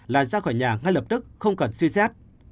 là ra khỏi nhà ngay lập tức không cần suy xét